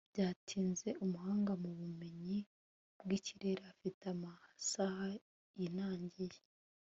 Byatinze umuhanga mu bumenyi bwikirere afite amasaha yinangiye